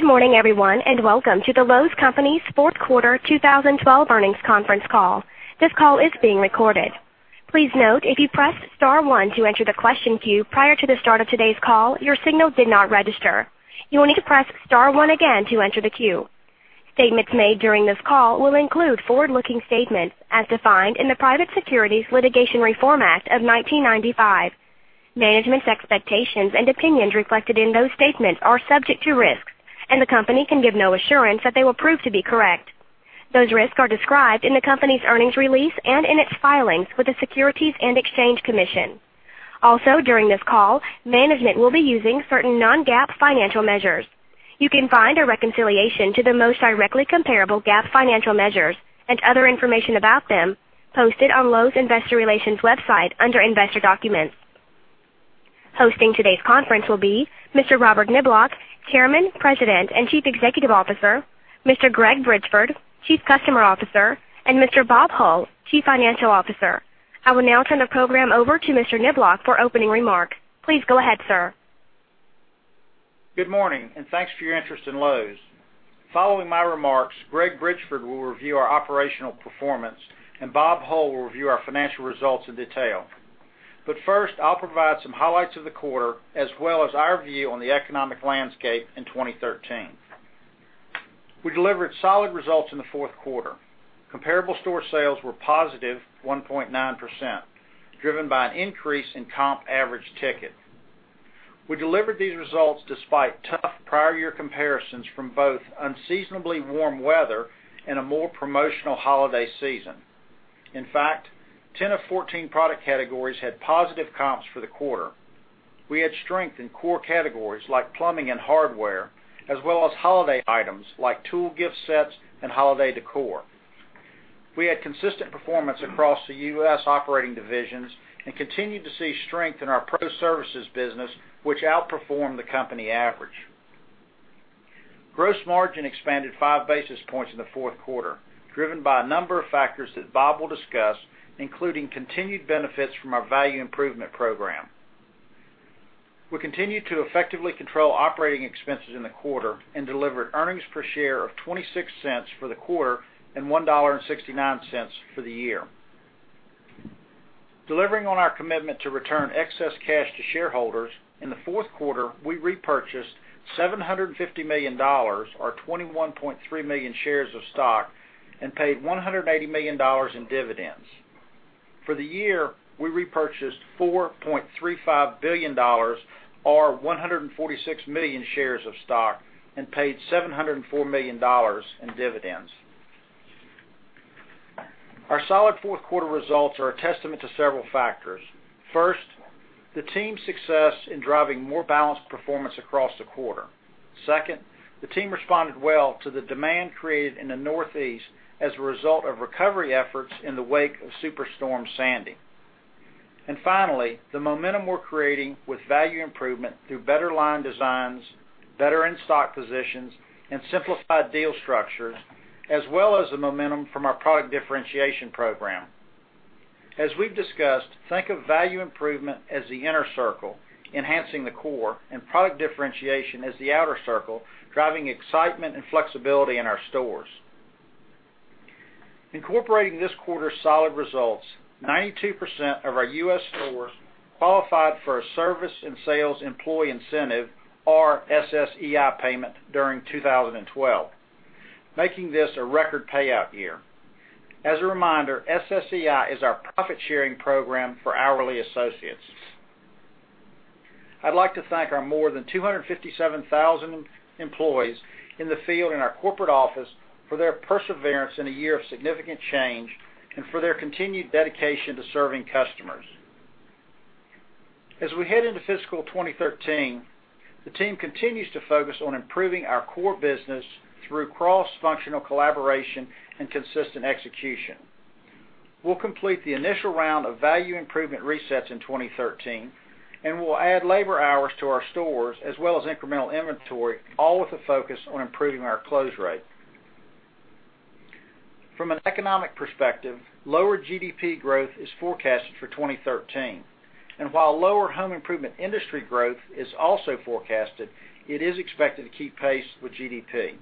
Good morning, everyone, and welcome to the Lowe's Companies fourth quarter 2012 earnings conference call. This call is being recorded. Please note, if you pressed star one to enter the question queue prior to the start of today's call, your signal did not register. You will need to press star one again to enter the queue. Statements made during this call will include forward-looking statements as defined in the Private Securities Litigation Reform Act of 1995. Management's expectations and opinions reflected in those statements are subject to risks, and the company can give no assurance that they will prove to be correct. Those risks are described in the company's earnings release and in its filings with the Securities and Exchange Commission. Also, during this call, management will be using certain non-GAAP financial measures. You can find a reconciliation to the most directly comparable GAAP financial measures and other information about them posted on Lowe's investor relations website under Investor Documents. Hosting today's conference will be Mr. Robert Niblock, Chairman, President, and Chief Executive Officer, Mr. Greg Bridgeford, Chief Customer Officer, and Mr. Bob Hull, Chief Financial Officer. I will now turn the program over to Mr. Niblock for opening remarks. Please go ahead, sir. Good morning. Thanks for your interest in Lowe's. Following my remarks, Greg Bridgeford will review our operational performance, Bob Hull will review our financial results in detail. First, I'll provide some highlights of the quarter, as well as our view on the economic landscape in 2013. We delivered solid results in the fourth quarter. Comparable store sales were positive 1.9%, driven by an increase in comp average ticket. We delivered these results despite tough prior year comparisons from both unseasonably warm weather and a more promotional holiday season. In fact, 10 of 14 product categories had positive comps for the quarter. We had strength in core categories like plumbing and hardware, as well as holiday items like tool gift sets and holiday decor. We had consistent performance across the U.S. operating divisions and continued to see strength in our pro services business, which outperformed the company average. Gross margin expanded five basis points in the fourth quarter, driven by a number of factors that Bob will discuss, including continued benefits from our Value Improvement Program. We continued to effectively control operating expenses in the quarter and delivered earnings per share of $0.26 for the quarter and $1.69 for the year. Delivering on our commitment to return excess cash to shareholders, in the fourth quarter, we repurchased $750 million, or 21.3 million shares of stock, and paid $180 million in dividends. For the year, we repurchased $4.35 billion, or 146 million shares of stock, and paid $704 million in dividends. Our solid fourth quarter results are a testament to several factors. First, the team's success in driving more balanced performance across the quarter. Second, the team responded well to the demand created in the Northeast as a result of recovery efforts in the wake of Superstorm Sandy. Finally, the momentum we're creating with value improvement through better line designs, better in-stock positions, and simplified deal structures, as well as the momentum from our product differentiation program. As we've discussed, think of value improvement as the inner circle, enhancing the core, and product differentiation as the outer circle, driving excitement and flexibility in our stores. Incorporating this quarter's solid results, 92% of our U.S. stores qualified for a Service and Sales Employee Incentive, or SSEI payment during 2012, making this a record payout year. As a reminder, SSEI is our profit-sharing program for hourly associates. I'd like to thank our more than 257,000 employees in the field and our corporate office for their perseverance in a year of significant change and for their continued dedication to serving customers. As we head into fiscal 2013, the team continues to focus on improving our core business through cross-functional collaboration and consistent execution. We'll complete the initial round of value improvement resets in 2013, we'll add labor hours to our stores, as well as incremental inventory, all with a focus on improving our close rate. From an economic perspective, lower GDP growth is forecasted for 2013. While lower home improvement industry growth is also forecasted, it is expected to keep pace with GDP.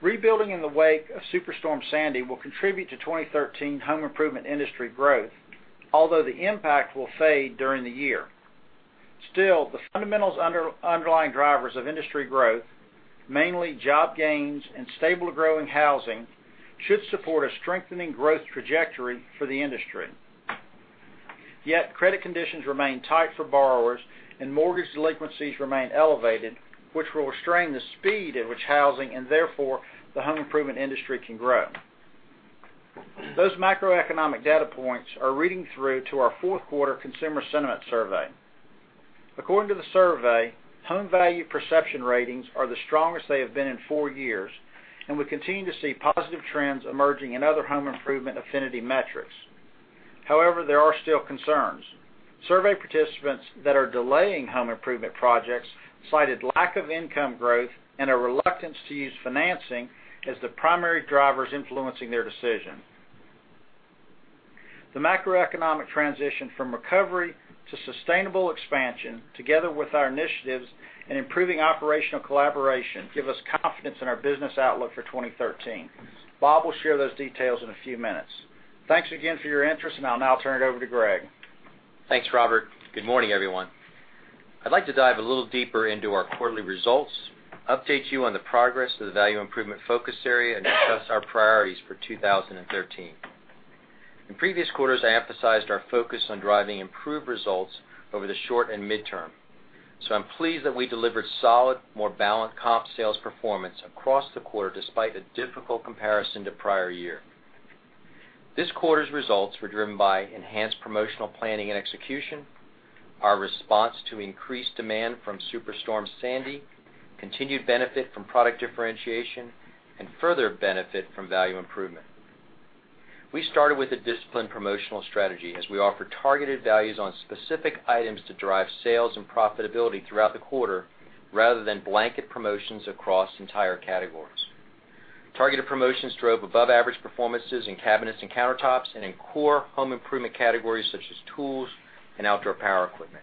Rebuilding in the wake of Superstorm Sandy will contribute to 2013 home improvement industry growth, although the impact will fade during the year. The fundamentals underlying drivers of industry growth, mainly job gains and stable growing housing, should support a strengthening growth trajectory for the industry. Credit conditions remain tight for borrowers, mortgage delinquencies remain elevated, which will restrain the speed at which housing, and therefore the home improvement industry, can grow. Those macroeconomic data points are reading through to our fourth quarter consumer sentiment survey. According to the survey, home value perception ratings are the strongest they have been in four years, and we continue to see positive trends emerging in other home improvement affinity metrics. There are still concerns. Survey participants that are delaying home improvement projects cited lack of income growth and a reluctance to use financing as the primary drivers influencing their decision. The macroeconomic transition from recovery to sustainable expansion, together with our initiatives in improving operational collaboration, give us confidence in our business outlook for 2013. Bob will share those details in a few minutes. Thanks again for your interest, I'll now turn it over to Greg. Thanks, Robert. Good morning, everyone. I'd like to dive a little deeper into our quarterly results, update you on the progress of the Value Improvement focus area, and discuss our priorities for 2013. In previous quarters, I emphasized our focus on driving improved results over the short and midterm. I'm pleased that we delivered solid, more balanced comp sales performance across the quarter, despite a difficult comparison to prior year. This quarter's results were driven by enhanced promotional planning and execution, our response to increased demand from Superstorm Sandy, continued benefit from product differentiation, and further benefit from Value Improvement. We started with a disciplined promotional strategy as we offer targeted values on specific items to drive sales and profitability throughout the quarter, rather than blanket promotions across entire categories. Targeted promotions drove above-average performances in cabinets and countertops and in core home improvement categories such as tools and outdoor power equipment.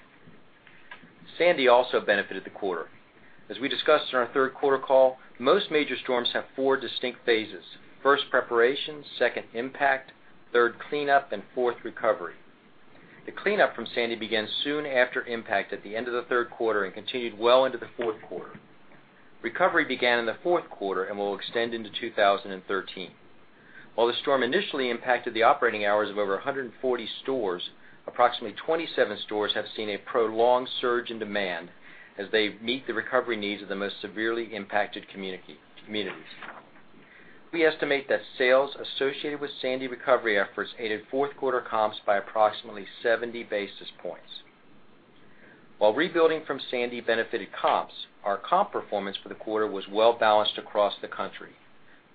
Sandy also benefited the quarter. As we discussed on our third quarter call, most major storms have four distinct phases: first, preparation, second, impact, third, cleanup, and fourth, recovery. The cleanup from Sandy began soon after impact at the end of the third quarter and continued well into the fourth quarter. Recovery began in the fourth quarter and will extend into 2013. While the storm initially impacted the operating hours of over 140 stores, approximately 27 stores have seen a prolonged surge in demand as they meet the recovery needs of the most severely impacted communities. We estimate that sales associated with Sandy recovery efforts aided fourth quarter comps by approximately 70 basis points. While rebuilding from Sandy benefited comps, our comp performance for the quarter was well-balanced across the country.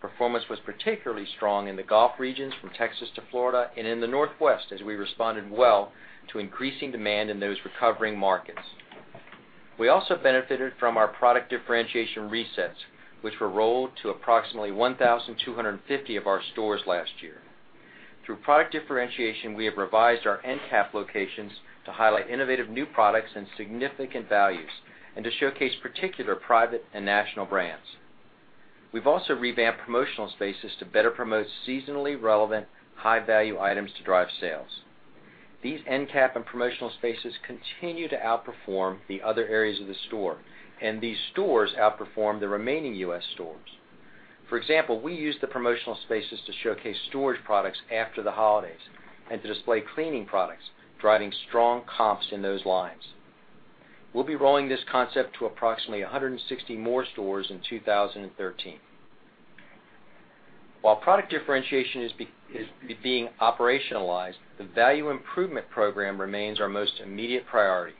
Performance was particularly strong in the Gulf regions, from Texas to Florida, and in the Northwest, as we responded well to increasing demand in those recovering markets. We also benefited from our Product Differentiation resets, which were rolled to approximately 1,250 of our stores last year. Through Product Differentiation, we have revised our end cap locations to highlight innovative new products and significant values and to showcase particular private and national brands. We've also revamped promotional spaces to better promote seasonally relevant, high-value items to drive sales. These end cap and promotional spaces continue to outperform the other areas of the store, and these stores outperform the remaining U.S. stores. For example, we use the promotional spaces to showcase storage products after the holidays and to display cleaning products, driving strong comps in those lines. We'll be rolling this concept to approximately 160 more stores in 2013. While Product Differentiation is being operationalized, the Value Improvement program remains our most immediate priority.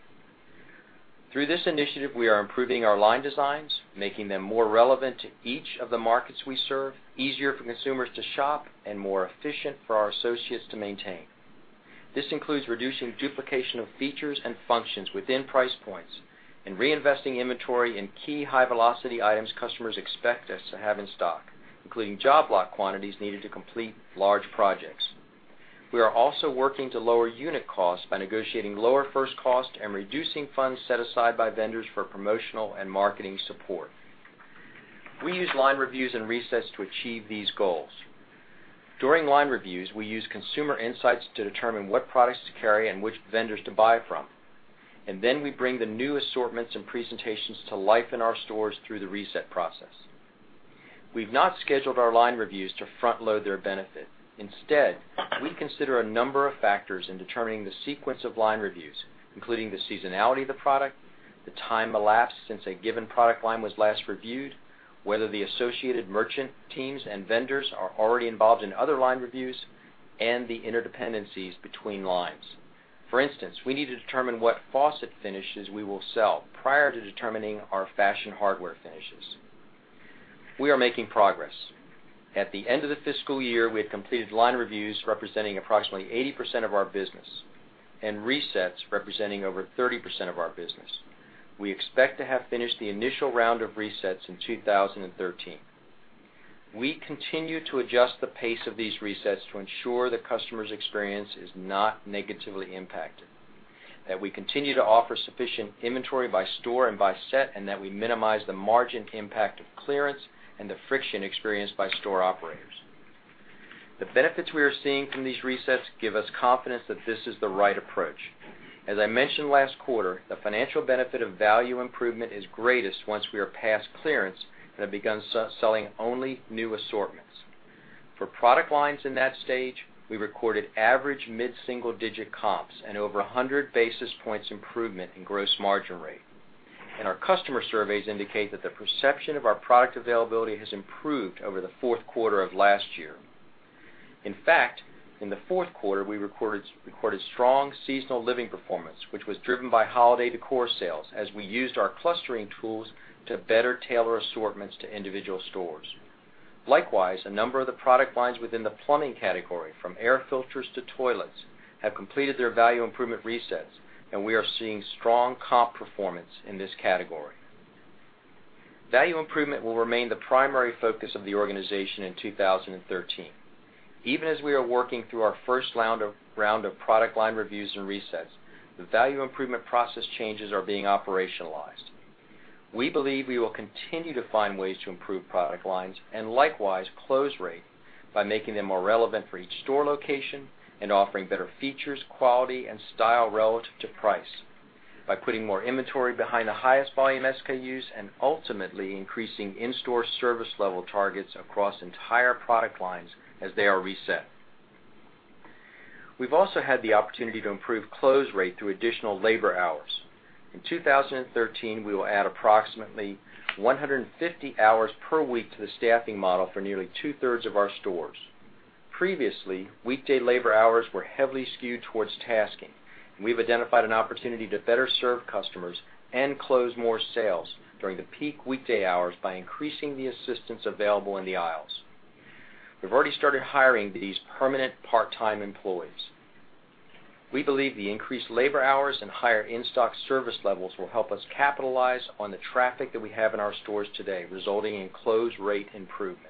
Through this initiative, we are improving our line designs, making them more relevant to each of the markets we serve, easier for consumers to shop, and more efficient for our associates to maintain. This includes reducing duplication of features and functions within price points and reinvesting inventory in key high-velocity items customers expect us to have in stock, including job lot quantities needed to complete large projects. We are also working to lower unit costs by negotiating lower first costs and reducing funds set aside by vendors for promotional and marketing support. We use line reviews and resets to achieve these goals. During line reviews, we use consumer insights to determine what products to carry and which vendors to buy from. We bring the new assortments and presentations to life in our stores through the reset process. We've not scheduled our line reviews to front-load their benefit. Instead, we consider a number of factors in determining the sequence of line reviews, including the seasonality of the product, the time elapsed since a given product line was last reviewed, whether the associated merchant teams and vendors are already involved in other line reviews, and the interdependencies between lines. For instance, we need to determine what faucet finishes we will sell prior to determining our fashion hardware finishes. We are making progress. At the end of the fiscal year, we had completed line reviews representing approximately 80% of our business and resets representing over 30% of our business. We expect to have finished the initial round of resets in 2013. We continue to adjust the pace of these resets to ensure the customer's experience is not negatively impacted, that we continue to offer sufficient inventory by store and by set, and that we minimize the margin impact of clearance and the friction experienced by store operators. The benefits we are seeing from these resets give us confidence that this is the right approach. As I mentioned last quarter, the financial benefit of value improvement is greatest once we are past clearance and have begun selling only new assortments. For product lines in that stage, we recorded average mid-single-digit comps and over 100 basis points improvement in gross margin rate. Our customer surveys indicate that the perception of our product availability has improved over the fourth quarter of last year. In fact, in the fourth quarter, we recorded strong seasonal living performance, which was driven by holiday decor sales as we used our clustering tools to better tailor assortments to individual stores. Likewise, a number of the product lines within the plumbing category, from air filters to toilets, have completed their value improvement resets, and we are seeing strong comp performance in this category. Value improvement will remain the primary focus of the organization in 2013. Even as we are working through our first round of product line reviews and resets, the value improvement process changes are being operationalized. We believe we will continue to find ways to improve product lines and likewise close rate by making them more relevant for each store location and offering better features, quality, and style relative to price, by putting more inventory behind the highest volume SKUs, and ultimately increasing in-store service level targets across entire product lines as they are reset. We've also had the opportunity to improve close rate through additional labor hours. In 2013, we will add approximately 150 hours per week to the staffing model for nearly two-thirds of our stores. Previously, weekday labor hours were heavily skewed towards tasking. We've identified an opportunity to better serve customers and close more sales during the peak weekday hours by increasing the assistance available in the aisles. We've already started hiring these permanent part-time employees. We believe the increased labor hours and higher in-stock service levels will help us capitalize on the traffic that we have in our stores today, resulting in close rate improvement.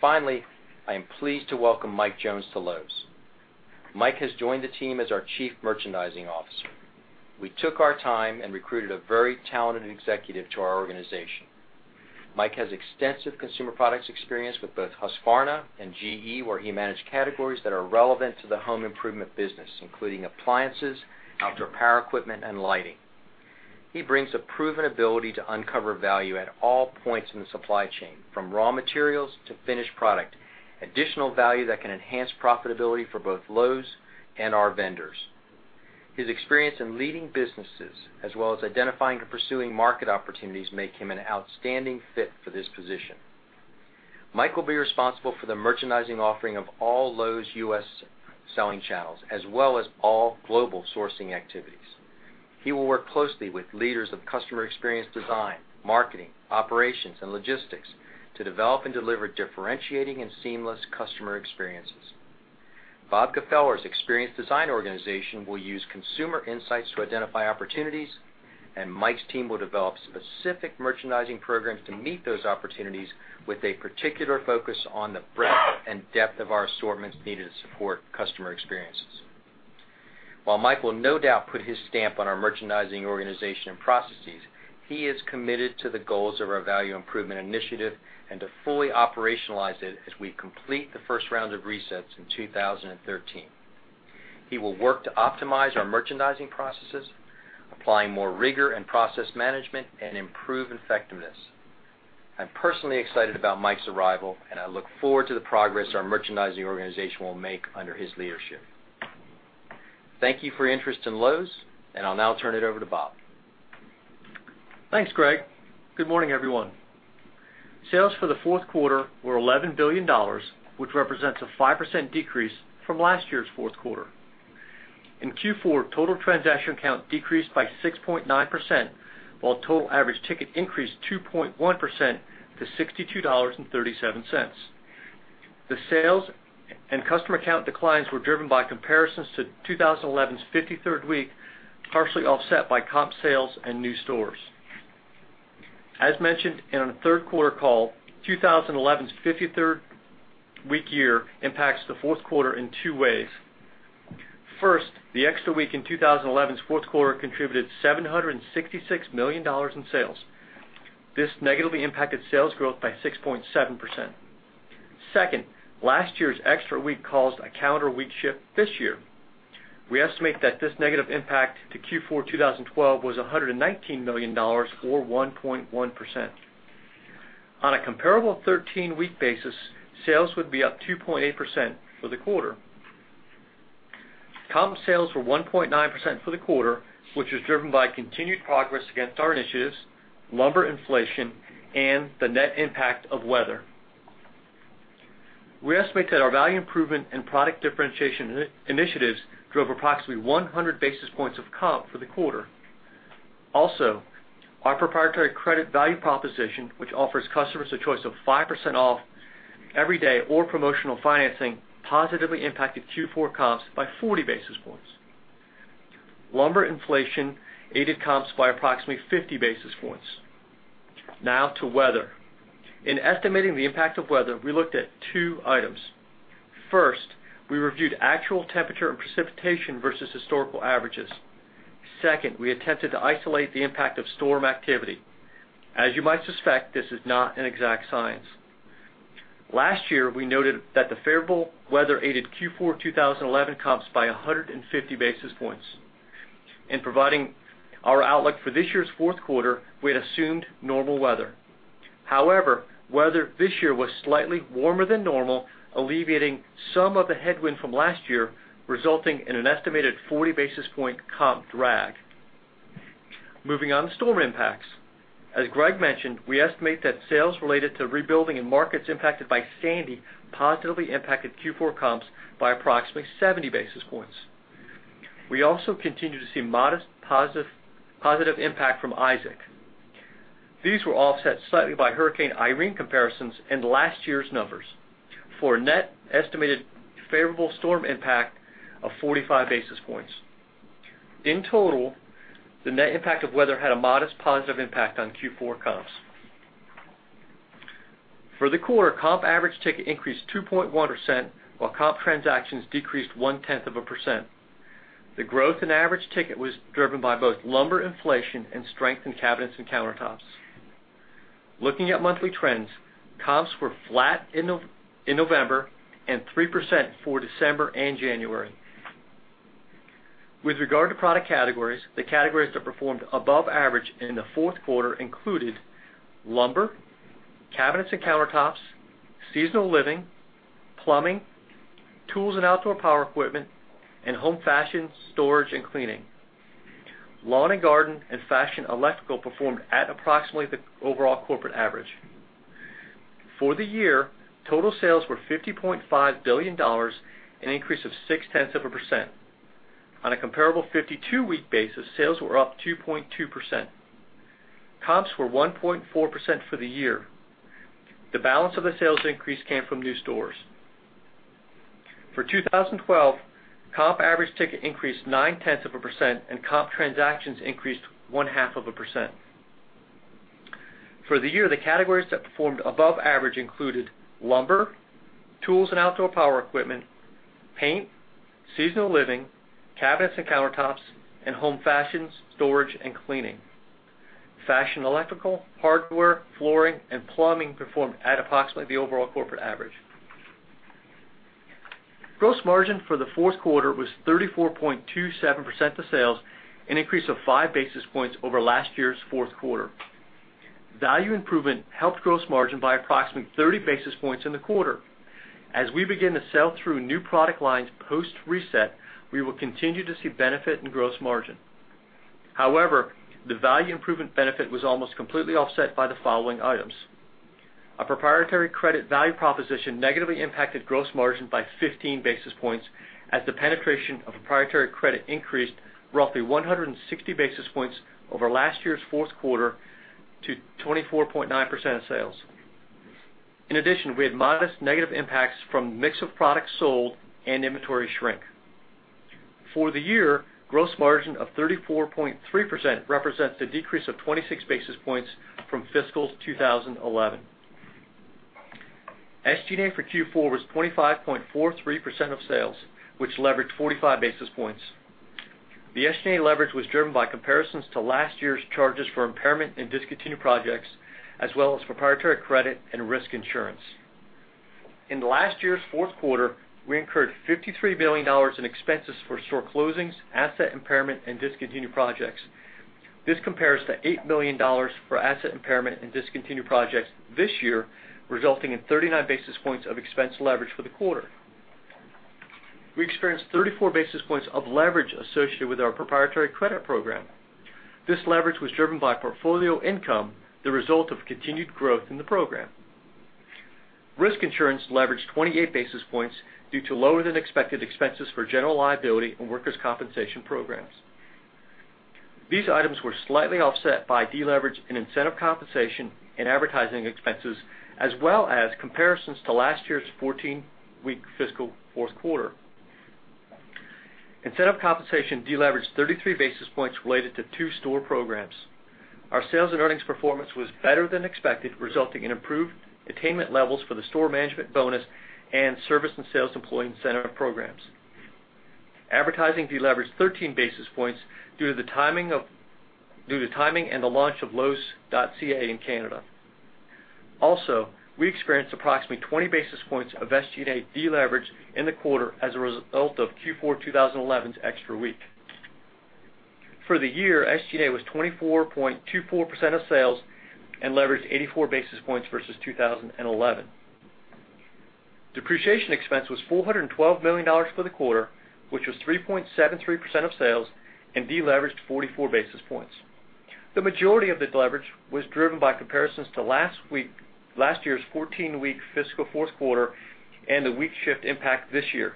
Finally, I am pleased to welcome Mike Jones to Lowe's. Mike has joined the team as our chief merchandising officer. We took our time and recruited a very talented executive to our organization. Mike has extensive consumer products experience with both Husqvarna and GE, where he managed categories that are relevant to the home improvement business, including appliances, outdoor power equipment, and lighting. He brings a proven ability to uncover value at all points in the supply chain, from raw materials to finished product, additional value that can enhance profitability for both Lowe's and our vendors. His experience in leading businesses, as well as identifying and pursuing market opportunities, make him an outstanding fit for this position. Mike will be responsible for the merchandising offering of all Lowe's U.S. selling channels, as well as all global sourcing activities. He will work closely with leaders of customer experience design, marketing, operations, and logistics to develop and deliver differentiating and seamless customer experiences. Bob Gfeller's experience design organization will use consumer insights to identify opportunities, and Mike's team will develop specific merchandising programs to meet those opportunities with a particular focus on the breadth and depth of our assortments needed to support customer experiences. While Mike will no doubt put his stamp on our merchandising organization and processes, he is committed to the goals of our Value Improvement Initiative and to fully operationalize it as we complete the first round of resets in 2013. He will work to optimize our merchandising processes, applying more rigor and process management and improve effectiveness. I'm personally excited about Mike's arrival, and I look forward to the progress our merchandising organization will make under his leadership. Thank you for your interest in Lowe's. I'll now turn it over to Bob. Thanks, Greg. Good morning, everyone. Sales for the fourth quarter were $11 billion, which represents a 5% decrease from last year's fourth quarter. In Q4, total transaction count decreased by 6.9%, while total average ticket increased 2.1% to $62.37. The sales and customer count declines were driven by comparisons to 2011's fifty-third week, partially offset by comp sales and new stores. As mentioned in our third-quarter call, 2011's fifty-third week year impacts the fourth quarter in two ways. First, the extra week in 2011's fourth quarter contributed $766 million in sales. This negatively impacted sales growth by 6.7%. Second, last year's extra week caused a calendar week shift this year. We estimate that this negative impact to Q4 2012 was $119 million or 1.1%. On a comparable 13-week basis, sales would be up 2.8% for the quarter. Comp sales were 1.9% for the quarter, which was driven by continued progress against our initiatives, lumber inflation, and the net impact of weather. We estimate that our value improvement and product differentiation initiatives drove approximately 100 basis points of comp for the quarter. Also, our proprietary credit value proposition, which offers customers a choice of 5% off every day or promotional financing, positively impacted Q4 comps by 40 basis points. Lumber inflation aided comps by approximately 50 basis points. Now to weather. In estimating the impact of weather, we looked at two items. First, we reviewed actual temperature and precipitation versus historical averages. Second, we attempted to isolate the impact of storm activity. As you might suspect, this is not an exact science. Last year, we noted that the favorable weather aided Q4 2011 comps by 150 basis points. In providing our outlook for this year's fourth quarter, we had assumed normal weather. Weather this year was slightly warmer than normal, alleviating some of the headwind from last year, resulting in an estimated 40 basis point comp drag. Moving on to storm impacts. As Greg mentioned, we estimate that sales related to rebuilding in markets impacted by Superstorm Sandy positively impacted Q4 comps by approximately 70 basis points. We also continue to see modest positive impact from Hurricane Isaac. These were offset slightly by Hurricane Irene comparisons in last year's numbers. For a net estimated favorable storm impact of 45 basis points. In total, the net impact of weather had a modest positive impact on Q4 comps. For the quarter, comp average ticket increased 2.1%, while comp transactions decreased one-tenth of a percent. The growth in average ticket was driven by both lumber inflation and strength in cabinets and countertops. Looking at monthly trends, comps were flat in November and 3% for December and January. With regard to product categories, the categories that performed above average in the fourth quarter included lumber, cabinets and countertops, seasonal living, plumbing, tools and outdoor power equipment, and home fashion, storage, and cleaning. Lawn and garden and fashion electrical performed at approximately the overall corporate average. For the year, total sales were $50.5 billion, an increase of six tenths of a percent. On a comparable 52-week basis, sales were up 2.2%. Comps were 1.4% for the year. The balance of the sales increase came from new stores. For 2012, comp average ticket increased nine tenths of a percent, and comp transactions increased one half of a percent. For the year, the categories that performed above average included lumber, tools and outdoor power equipment, paint, seasonal living, cabinets and countertops, and home fashions, storage, and cleaning. Fashion electrical, hardware, flooring, and plumbing performed at approximately the overall corporate average. Gross margin for the fourth quarter was 34.27% of sales, an increase of five basis points over last year's fourth quarter. Value improvement helped gross margin by approximately 30 basis points in the quarter. The value improvement benefit was almost completely offset by the following items. A proprietary credit value proposition negatively impacted gross margin by 15 basis points as the penetration of proprietary credit increased roughly 160 basis points over last year's fourth quarter to 24.9% of sales. In addition, we had modest negative impacts from mix of products sold and inventory shrink. For the year, gross margin of 34.3% represents a decrease of 26 basis points from fiscal 2011. SG&A for Q4 was 25.43% of sales, which leveraged 45 basis points. The SG&A leverage was driven by comparisons to last year's charges for impairment and discontinued projects, as well as proprietary credit and risk insurance. In last year's fourth quarter, we incurred $53 million in expenses for store closings, asset impairment, and discontinued projects. This compares to $8 million for asset impairment and discontinued projects this year, resulting in 39 basis points of expense leverage for the quarter. We experienced 34 basis points of leverage associated with our proprietary credit program. This leverage was driven by portfolio income, the result of continued growth in the program. Risk insurance leveraged 28 basis points due to lower-than-expected expenses for general liability and workers compensation programs. These items were slightly offset by deleverage in incentive compensation and advertising expenses, as well as comparisons to last year's 14-week fiscal fourth quarter. Incentive compensation deleveraged 33 basis points related to two store programs. Our sales and earnings performance was better than expected, resulting in improved attainment levels for the store management bonus and service and sales employee incentive programs. Advertising deleveraged 13 basis points due to timing and the launch of lowes.ca in Canada. Also, we experienced approximately 20 basis points of SG&A deleverage in the quarter as a result of Q4 2011's extra week. For the year, SG&A was 24.24% of sales and leveraged 84 basis points versus 2011. Depreciation expense was $412 million for the quarter, which was 3.73% of sales and deleveraged 44 basis points. The majority of this leverage was driven by comparisons to last year's 14-week fiscal fourth quarter and the week shift impact this year.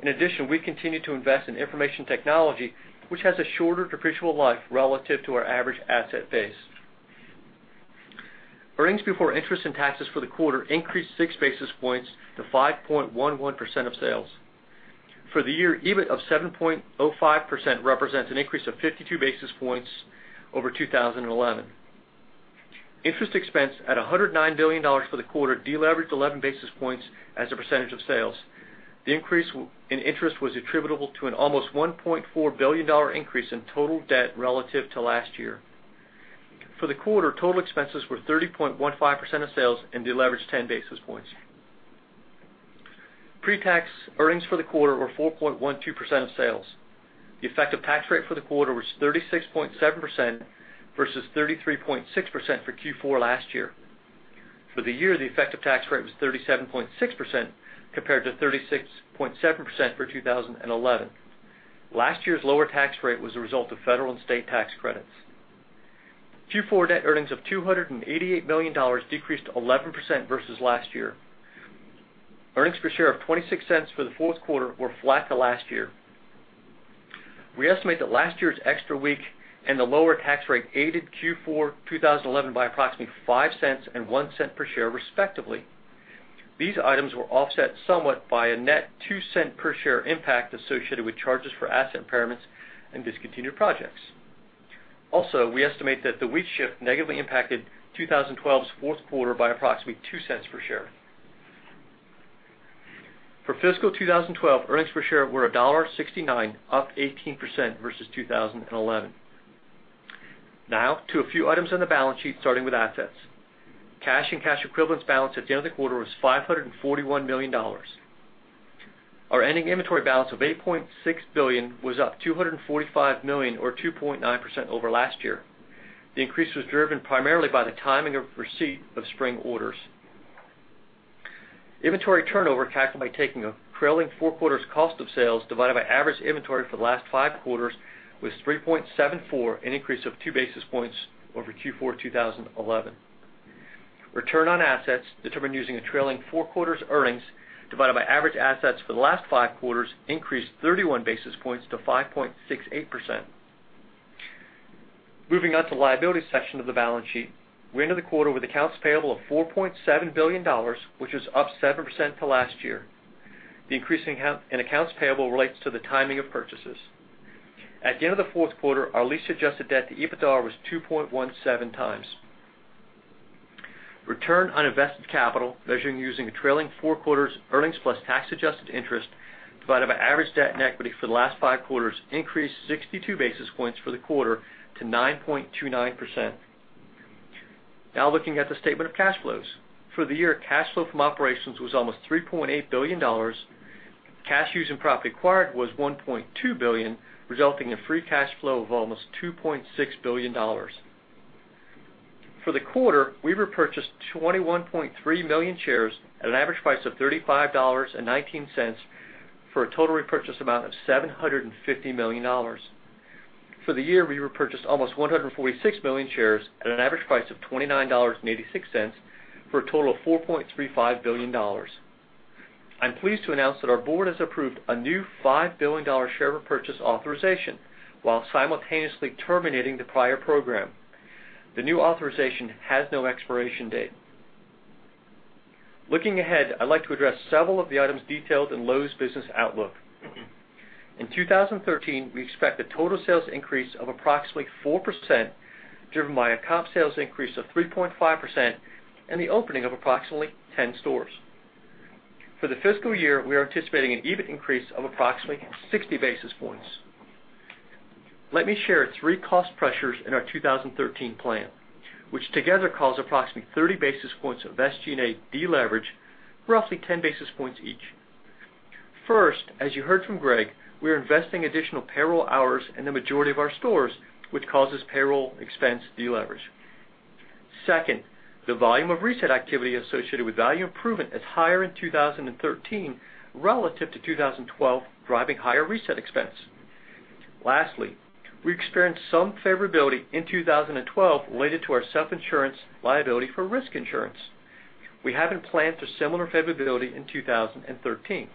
In addition, we continue to invest in information technology, which has a shorter depreciable life relative to our average asset base. Earnings before interest and taxes for the quarter increased six basis points to 5.11% of sales. For the year, EBIT of 7.05% represents an increase of 52 basis points over 2011. Interest expense at $109 million for the quarter deleveraged 11 basis points as a percentage of sales. The increase in interest was attributable to an almost $1.4 billion increase in total debt relative to last year. For the quarter, total expenses were 30.15% of sales and deleveraged 10 basis points. Pre-tax earnings for the quarter were 4.12% of sales. The effective tax rate for the quarter was 36.7% versus 33.6% for Q4 last year. For the year, the effective tax rate was 37.6% compared to 36.7% for 2011. Last year's lower tax rate was a result of federal and state tax credits. Q4 net earnings of $288 million decreased 11% versus last year. Earnings per share of $0.26 for the fourth quarter were flat to last year. We estimate that last year's extra week and the lower tax rate aided Q4 2011 by approximately $0.05 and $0.01 per share, respectively. These items were offset somewhat by a net $0.02 per share impact associated with charges for asset impairments and discontinued projects. Also, we estimate that the week shift negatively impacted 2012's fourth quarter by approximately $0.02 per share. For fiscal 2012, earnings per share were $1.69, up 18% versus 2011. Now, to a few items on the balance sheet, starting with assets. Cash and cash equivalents balance at the end of the quarter was $541 million. Our ending inventory balance of $8.6 billion was up $245 million or 2.9% over last year. The increase was driven primarily by the timing of receipt of spring orders. Inventory turnover, calculated by taking a trailing four quarters cost of sales divided by average inventory for the last five quarters, was 3.74, an increase of two basis points over Q4 2011. Return on assets, determined using a trailing four quarters earnings divided by average assets for the last five quarters, increased 31 basis points to 5.68%. Moving on to liability section of the balance sheet. We ended the quarter with accounts payable of $4.7 billion, which is up 7% to last year. The increase in accounts payable relates to the timing of purchases. At the end of the fourth quarter, our lease-adjusted debt to EBITDA was 2.17 times. Return on invested capital, measuring using a trailing four quarters earnings plus tax-adjusted interest divided by average debt and equity for the last five quarters, increased 62 basis points for the quarter to 9.29%. Looking at the statement of cash flows. For the year, cash flow from operations was almost $3.8 billion. Cash used in property acquired was $1.2 billion, resulting in free cash flow of almost $2.6 billion. For the quarter, we repurchased 21.3 million shares at an average price of $35.19 for a total repurchase amount of $750 million. For the year, we repurchased almost 146 million shares at an average price of $29.86 for a total of $4.35 billion. I'm pleased to announce that our board has approved a new $5 billion share repurchase authorization while simultaneously terminating the prior program. The new authorization has no expiration date. Looking ahead, I'd like to address several of the items detailed in Lowe's business outlook. In 2013, we expect a total sales increase of approximately 4%, driven by a comp sales increase of 3.5% and the opening of approximately 10 stores. For the fiscal year, we are anticipating an EBIT increase of approximately 60 basis points. Let me share three cost pressures in our 2013 plan, which together cause approximately 30 basis points of SG&A deleverage, roughly 10 basis points each. First, as you heard from Greg, we are investing additional payroll hours in the majority of our stores, which causes payroll expense deleverage. Second, the volume of reset activity associated with value improvement is higher in 2013 relative to 2012, driving higher reset expense. Lastly, we experienced some favorability in 2012 related to our self-insurance liability for risk insurance. We haven't planned for similar favorability in 2013.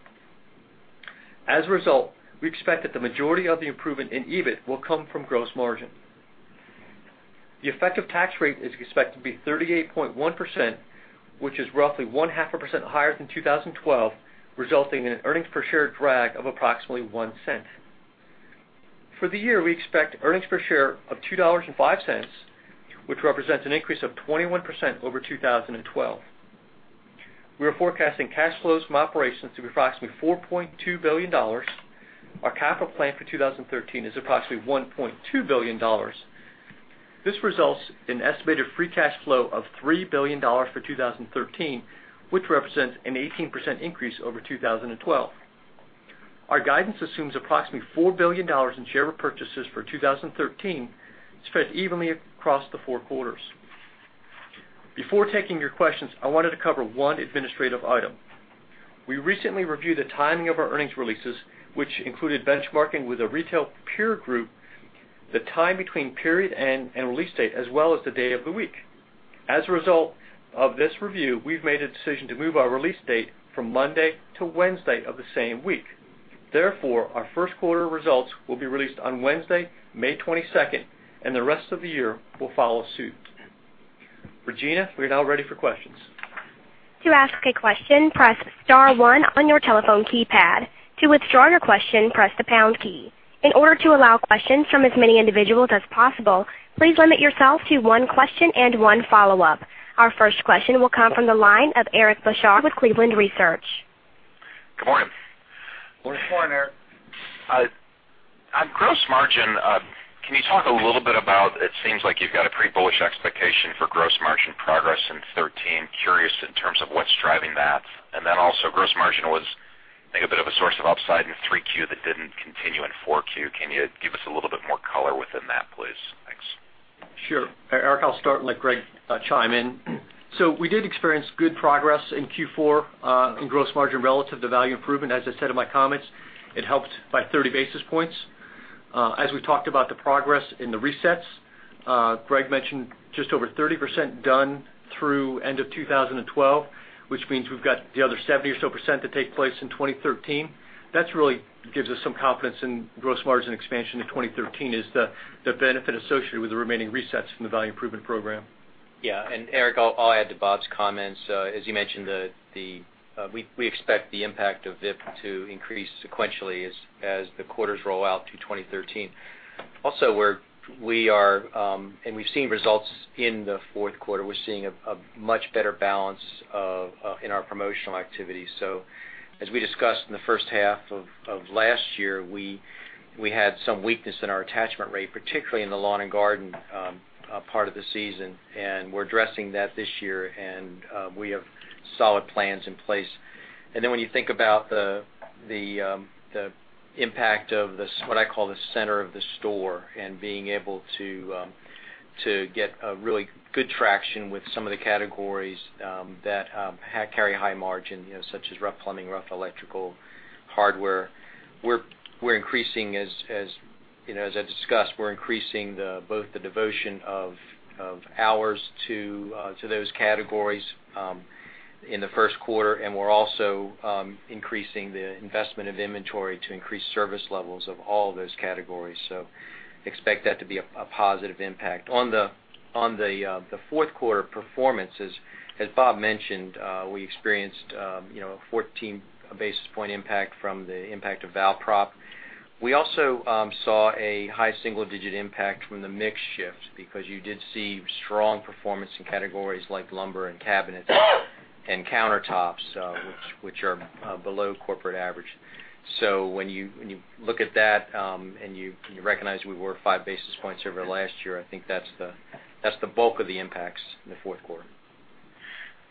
As a result, we expect that the majority of the improvement in EBIT will come from gross margin. The effective tax rate is expected to be 38.1%, which is roughly one-half a percent higher than 2012, resulting in an earnings per share drag of approximately $0.01. For the year, we expect earnings per share of $2.05, which represents an increase of 21% over 2012. We are forecasting cash flows from operations to be approximately $4.2 billion. Our capital plan for 2013 is approximately $1.2 billion. This results in estimated free cash flow of $3 billion for 2013, which represents an 18% increase over 2012. Our guidance assumes approximately $4 billion in share repurchases for 2013 spread evenly across the four quarters. Before taking your questions, I wanted to cover one administrative item. We recently reviewed the timing of our earnings releases, which included benchmarking with a retail peer group, the time between period end and release date, as well as the day of the week. As a result of this review, we've made a decision to move our release date from Monday to Wednesday of the same week. Therefore, our first quarter results will be released on Wednesday, May 22nd, and the rest of the year will follow suit. Regina, we are now ready for questions. To ask a question, press *1 on your telephone keypad. To withdraw your question, press the # key. In order to allow questions from as many individuals as possible, please limit yourself to one question and one follow-up. Our first question will come from the line of Eric Bosshard with Cleveland Research. Good morning. Morning. Good morning, Eric. On gross margin, can you talk a little bit about, it seems like you've got a pretty bullish expectation for gross margin progress in 2013. Curious in terms of what's driving that. Also, gross margin was maybe a bit of a source of upside in 3Q that didn't continue in 4Q. Can you give us a little bit more color within that, please? Thanks. Sure. Eric, I'll start and let Greg chime in. We did experience good progress in Q4 in gross margin relative to value improvement. As I said in my comments, it helped by 30 basis points. As we talked about the progress in the resets Greg mentioned just over 30% done through end of 2012, which means we've got the other 70 or so % to take place in 2013. That really gives us some confidence in gross margin expansion to 2013 is the benefit associated with the remaining resets from the Value Improvement Program. Yeah. Eric, I'll add to Bob's comments. As you mentioned, we expect the impact of VIP to increase sequentially as the quarters roll out to 2013. Also, we've seen results in the fourth quarter, we're seeing a much better balance in our promotional activities. As we discussed in the first half of last year, we had some weakness in our attachment rate, particularly in the lawn and garden part of the season, and we're addressing that this year, and we have solid plans in place. When you think about the impact of what I call the center of the store and being able to get a really good traction with some of the categories that carry high margin, such as rough plumbing, rough electrical, hardware. As I discussed, we're increasing both the devotion of hours to those categories in the first quarter, and we're also increasing the investment of inventory to increase service levels of all those categories. Expect that to be a positive impact. On the fourth quarter performances, as Bob mentioned, we experienced 14 basis point impact from the impact of value proposition. We also saw a high single-digit impact from the mix shift because you did see strong performance in categories like lumber and cabinets and countertops, which are below corporate average. When you look at that, and you recognize we were five basis points over last year, I think that's the bulk of the impacts in the fourth quarter.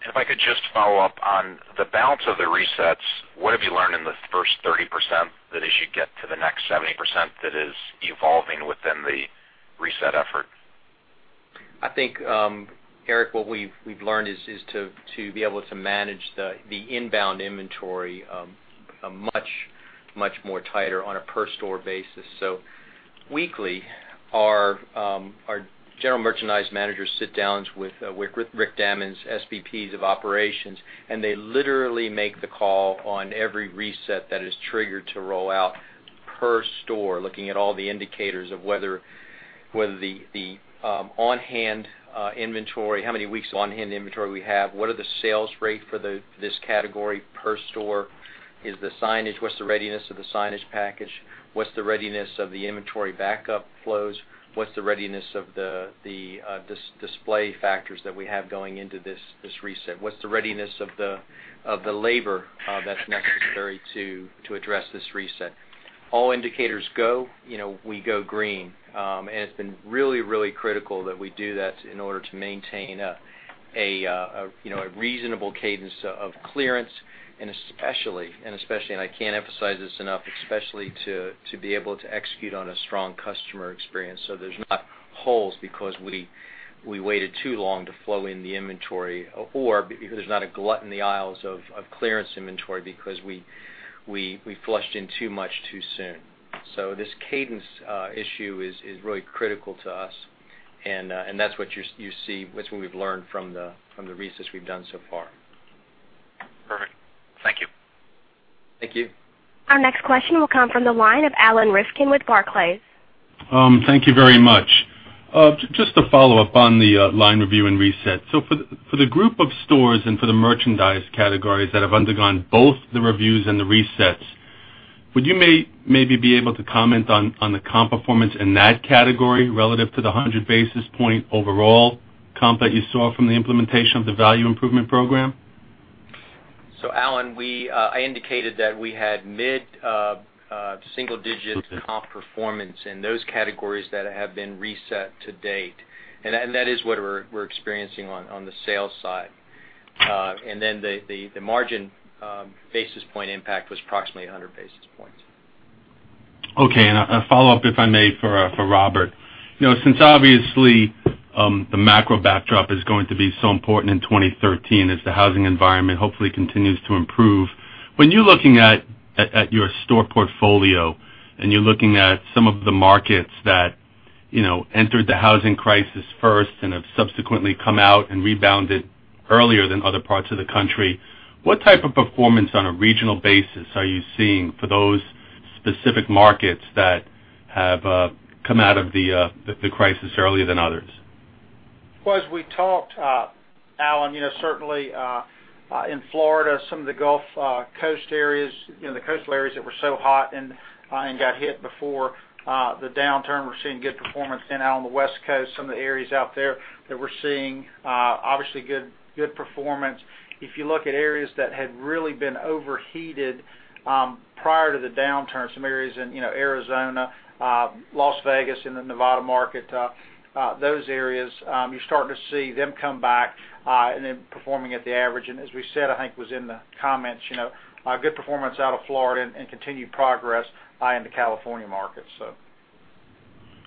If I could just follow up. On the balance of the resets, what have you learned in the first 30% that as you get to the next 70% that is evolving within the reset effort? I think, Eric, what we've learned is to be able to manage the inbound inventory much more tighter on a per store basis. Weekly, our general merchandise managers sit down with Rick Damron, SVPs of operations, and they literally make the call on every reset that is triggered to roll out per store, looking at all the indicators of whether the on-hand inventory, how many weeks of on-hand inventory we have, what are the sales rate for this category per store? What's the readiness of the signage package? What's the readiness of the inventory backup flows? What's the readiness of the display factors that we have going into this reset? What's the readiness of the labor that's necessary to address this reset? All indicators go, we go green. It's been really critical that we do that in order to maintain a reasonable cadence of clearance and especially, and I can't emphasize this enough, especially to be able to execute on a strong customer experience so there's not holes because we waited too long to flow in the inventory, or because there's not a glut in the aisles of clearance inventory because we flushed in too much, too soon. This cadence issue is really critical to us, and that's what you see, that's what we've learned from the resets we've done so far. Perfect. Thank you. Thank you. Our next question will come from the line of Alan Rifkin with Barclays. Thank you very much. Just to follow up on the line review and reset. For the group of stores and for the merchandise categories that have undergone both the reviews and the resets, would you maybe be able to comment on the comp performance in that category relative to the 100 basis point overall comp that you saw from the implementation of the Value Improvement Program? I indicated that we had mid-single-digit comp performance in those categories that have been reset to date. That is what we're experiencing on the sales side. The margin basis point impact was approximately 100 basis points. Okay, a follow-up, if I may, for Robert. Since obviously, the macro backdrop is going to be so important in 2013 as the housing environment hopefully continues to improve. When you're looking at your store portfolio and you're looking at some of the markets that entered the housing crisis first and have subsequently come out and rebounded earlier than other parts of the country, what type of performance on a regional basis are you seeing for those specific markets that have come out of the crisis earlier than others? Well, as we talked, Alan, certainly, in Florida, some of the Gulf Coast areas, the coastal areas that were so hot and got hit before the downturn, we're seeing good performance. Out on the West Coast, some of the areas out there that we're seeing obviously good performance. If you look at areas that had really been overheated prior to the downturn, some areas in Arizona, Las Vegas in the Nevada market, those areas, you're starting to see them come back and then performing at the average. As we said, I think, was in the comments, good performance out of Florida and continued progress in the California market.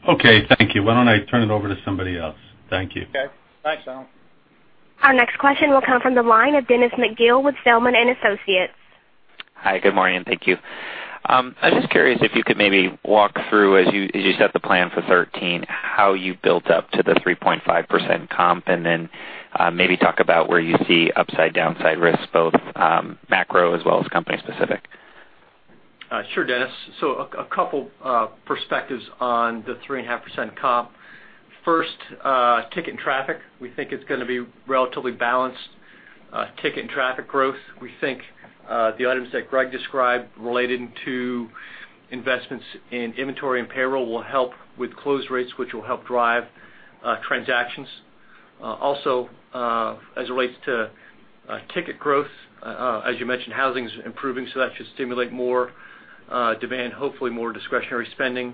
Okay, thank you. Why don't I turn it over to somebody else? Thank you. Okay. Thanks, Alan. Our next question will come from the line of Dennis McGill with Zelman & Associates. Hi, good morning, and thank you. I'm just curious if you could maybe walk through, as you set the plan for 2013, how you built up to the 3.5% comp, and then maybe talk about where you see upside, downside risks, both macro as well as company specific. Sure, Dennis. A couple perspectives on the 3.5% comp. First, ticket and traffic. We think it's going to be relatively balanced ticket and traffic growth. We think the items that Greg described relating to investments in inventory and payroll will help with close rates, which will help drive transactions. Also, as it relates to ticket growth, as you mentioned, housing is improving, so that should stimulate more demand, hopefully more discretionary spending,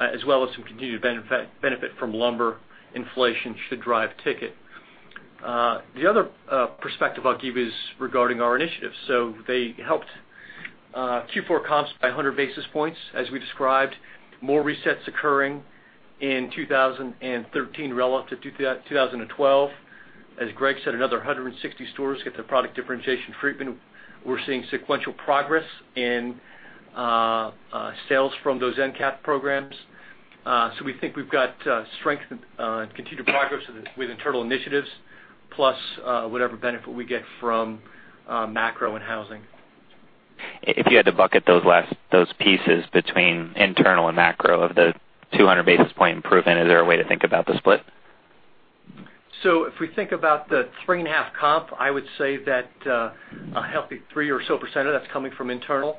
as well as some continued benefit from lumber. Inflation should drive ticket. The other perspective I'll give you is regarding our initiatives. They helped Q4 comps by 100 basis points. As we described, more resets occurring in 2013 relative to 2012. As Greg said, another 160 stores get their product differentiation treatment. We're seeing sequential progress in sales from those end cap programs. We think we've got strength and continued progress with internal initiatives plus whatever benefit we get from macro and housing. If you had to bucket those pieces between internal and macro of the 200 basis points improvement, is there a way to think about the split? If we think about the 3.5% comp, I would say that a healthy 3% or so of that's coming from internal.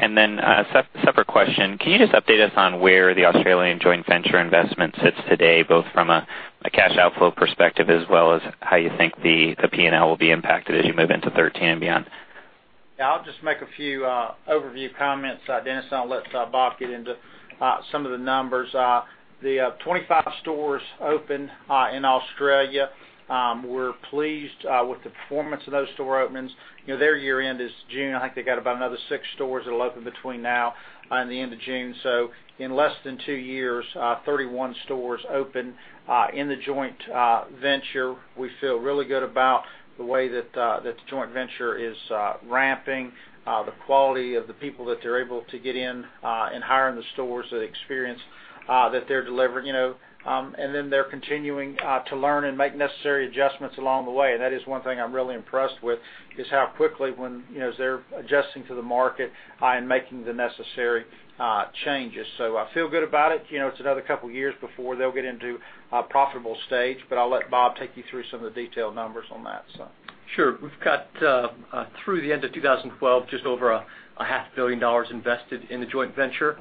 A separate question. Can you just update us on where the Australian joint venture investment sits today, both from a cash outflow perspective as well as how you think the P&L will be impacted as you move into 2013 and beyond? I'll just make a few overview comments, Dennis, and I'll let Bob get into some of the numbers. The 25 stores opened in Australia. We're pleased with the performance of those store openings. Their year end is June. I think they got about another six stores that'll open between now and the end of June. In less than two years, 31 stores opened in the joint venture. We feel really good about the way that the joint venture is ramping, the quality of the people that they're able to get in and hire in the stores, the experience that they're delivering. Then they're continuing to learn and make necessary adjustments along the way. That is one thing I'm really impressed with, is how quickly when they're adjusting to the market and making the necessary changes. I feel good about it. It's another couple of years before they'll get into a profitable stage, I'll let Bob take you through some of the detailed numbers on that. Sure. We've got through the end of 2012, just over a half billion dollars invested in the joint venture.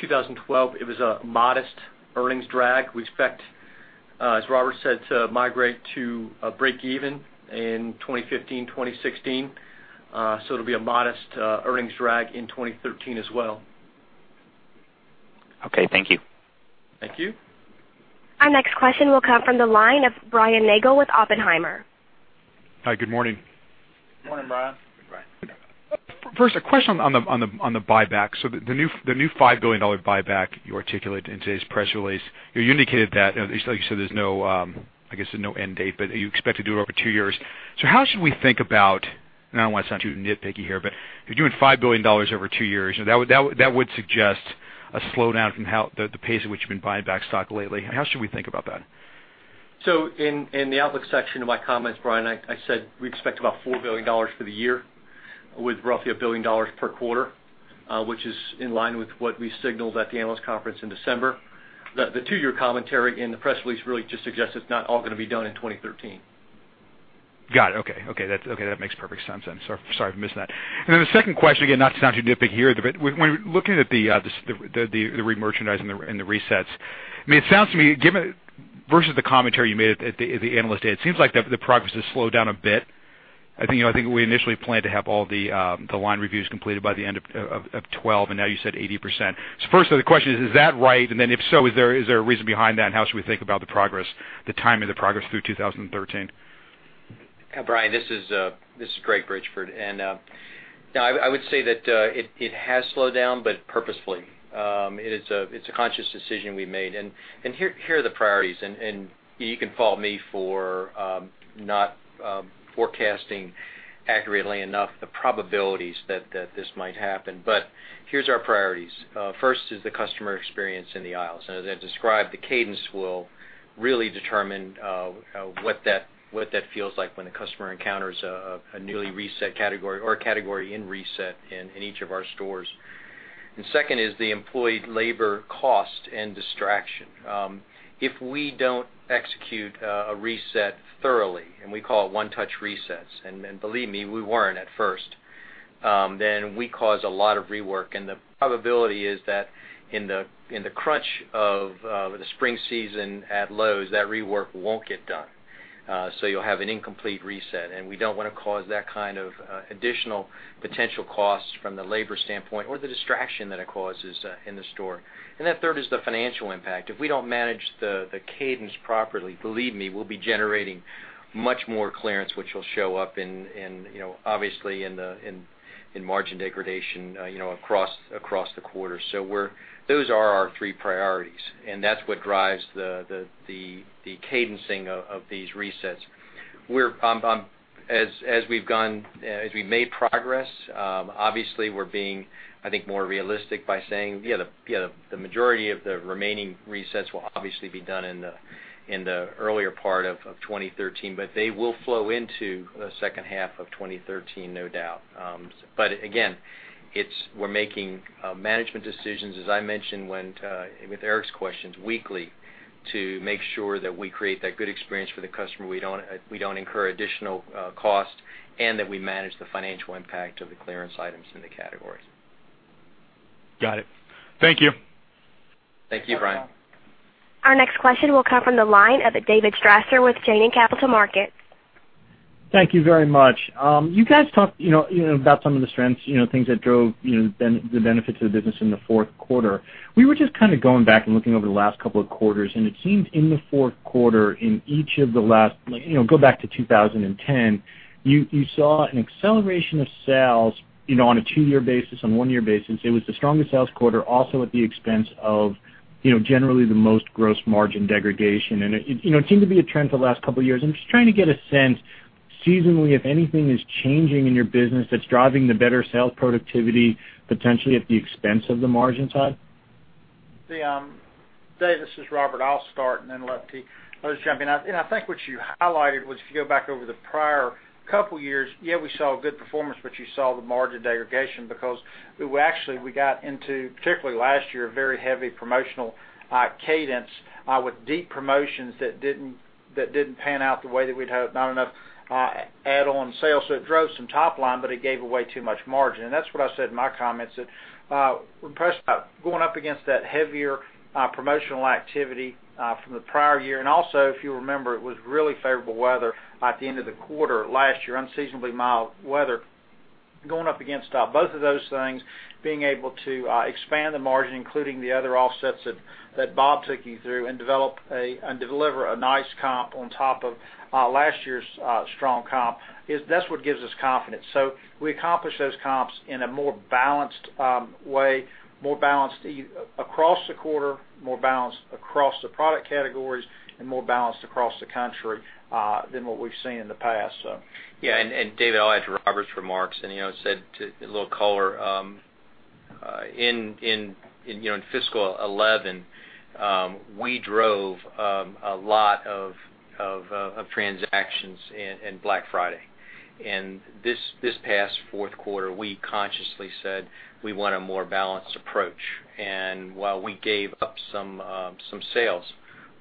2012, it was a modest earnings drag. We expect, as Robert said, to migrate to a break even in 2015, 2016. It'll be a modest earnings drag in 2013 as well. Okay, thank you. Thank you. Our next question will come from the line of Brian Nagel with Oppenheimer. Hi, good morning. Morning, Brian. Good morning. First, a question on the buyback. The new $5 billion buyback you articulated in today's press release. You indicated that, like you said, there's no end date, but you expect to do it over two years. How should we think about, and I don't want to sound too nitpicky here, but if you're doing $5 billion over two years, that would suggest a slowdown from the pace at which you've been buying back stock lately. How should we think about that? In the outlook section of my comments, Brian, I said we expect about $4 billion for the year with roughly a billion dollars per quarter, which is in line with what we signaled at the analyst conference in December. The two-year commentary in the press release really just suggests it's not all going to be done in 2013. Got it. Okay, that makes perfect sense then. Sorry for missing that. The second question, again, not to sound too nitpicky here, but when looking at the remerchandising and the resets, it sounds to me versus the commentary you made at the analyst day, it seems like the progress has slowed down a bit. I think we initially planned to have all the line reviews completed by the end of 2012, and now you said 80%. Firstly, the question is that right? If so, is there a reason behind that? How should we think about the progress, the timing of the progress through 2013? Brian, this is Greg Bridgeford. I would say that it has slowed down, but purposefully. It's a conscious decision we made. Here are the priorities. You can fault me for not forecasting accurately enough the probabilities that this might happen. Here's our priorities. First is the customer experience in the aisles. As I described, the cadence will really determine what that feels like when a customer encounters a newly reset category or a category in reset in each of our stores. Second is the employee labor cost and distraction. If we don't execute a reset thoroughly, and we call it one-touch resets, and believe me, we weren't at first, then we cause a lot of rework, and the probability is that in the crunch of the spring season at Lowe's, that rework won't get done. You'll have an incomplete reset, and we don't want to cause that kind of additional potential cost from the labor standpoint or the distraction that it causes in the store. Third is the financial impact. If we don't manage the cadence properly, believe me, we'll be generating much more clearance, which will show up obviously in margin degradation across the quarter. Those are our three priorities, and that's what drives the cadencing of these resets. As we've made progress, obviously we're being more realistic by saying, the majority of the remaining resets will obviously be done in the earlier part of 2013, but they will flow into the second half of 2013, no doubt. Again, we're making management decisions, as I mentioned with Eric's questions, weekly, to make sure that we create that good experience for the customer. We don't incur additional cost, that we manage the financial impact of the clearance items in the categories. Got it. Thank you. Thank you, Brian. Our next question will come from the line of David Strasser with Janney Montgomery Scott. Thank you very much. You guys talked about some of the strengths, things that drove the benefits of the business in the fourth quarter. We were just going back and looking over the last couple of quarters, and it seems in the fourth quarter, in each of the go back to 2010, you saw an acceleration of sales, on a two-year basis, on a one-year basis. It was the strongest sales quarter also at the expense of generally the most gross margin degradation. It seemed to be a trend for the last couple of years. I'm just trying to get a sense, seasonally, if anything is changing in your business that's driving the better sales productivity, potentially at the expense of the margin side. Dave, this is Robert. I'll start and then let the others jump in. I think what you highlighted was if you go back over the prior couple years, yeah, we saw a good performance, but you saw the margin degradation because we got into, particularly last year, a very heavy promotional cadence, with deep promotions that didn't pan out the way that we'd hoped. Not enough add-on sales. It drove some top line, but it gave away too much margin. That's what I said in my comments, that we're impressed about going up against that heavier promotional activity from the prior year. Also, if you remember, it was really favorable weather at the end of the quarter last year, unseasonably mild weather. Going up against both of those things, being able to expand the margin, including the other offsets that Bob took you through, and deliver a nice comp on top of last year's strong comp, that's what gives us confidence. We accomplished those comps in a more balanced way, more balanced across the quarter, more balanced across the product categories, and more balanced across the country, than what we've seen in the past. Yeah. Dave, I'll add to Robert's remarks and add a little color. In fiscal 2011, we drove a lot of transactions in Black Friday. This past fourth quarter, we consciously said we want a more balanced approach. While we gave up some sales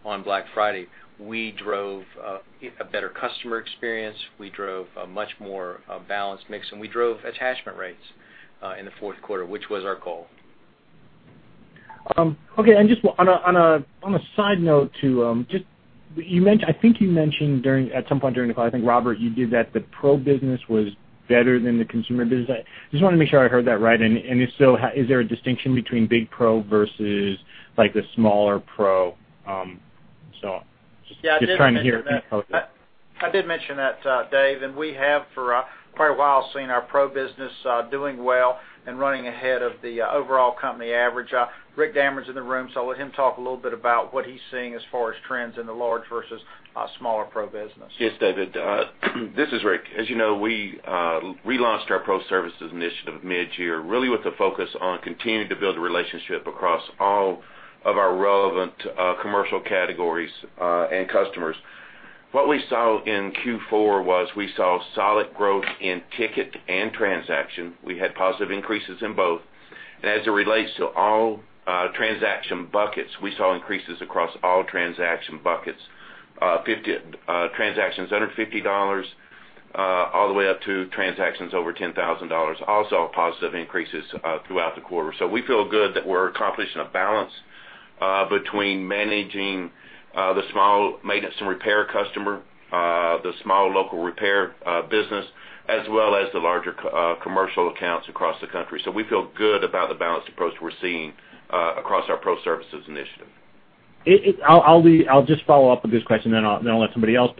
on Black Friday, we drove a better customer experience. We drove a much more balanced mix, and we drove attachment rates in the fourth quarter, which was our goal. Okay. On a side note, I think you mentioned at some point during the call, I think, Robert, you did, that the pro business was better than the consumer business. I just wanted to make sure I heard that right. If so, is there a distinction between big pro versus the smaller pro? Just trying to hear. Yeah, I did mention that. I did mention that, Dave. We have for quite a while seen our pro business doing well and running ahead of the overall company average. Rick Damron is in the room, I'll let him talk a little bit about what he's seeing as far as trends in the large versus smaller pro business. Yes, David. This is Rick. As you know, we relaunched our Pro Services initiative mid-year, really with the focus on continuing to build a relationship across all of our relevant commercial categories and customers. What we saw in Q4 was we saw solid growth in ticket and transaction. We had positive increases in both. As it relates to all transaction buckets, we saw increases across all transaction buckets. Transactions under $50, all the way up to transactions over $10,000, also positive increases throughout the quarter. We feel good that we're accomplishing a balance between managing the small maintenance and repair customer, the small local repair business, as well as the larger commercial accounts across the country. We feel good about the balanced approach we're seeing across our Pro Services initiative. I'll just follow up with this question and then I'll let somebody else.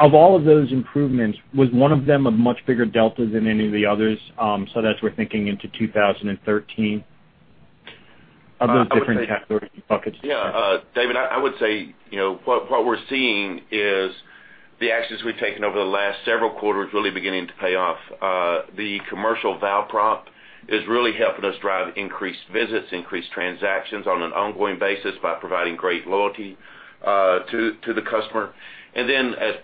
Of all of those improvements, was one of them a much bigger delta than any of the others so that as we're thinking into 2013 of those different categories and buckets? Yeah. David, I would say what we're seeing is the actions we've taken over the last several quarters really beginning to pay off. The commercial value prop is really helping us drive increased visits, increased transactions on an ongoing basis by providing great loyalty to the customer. As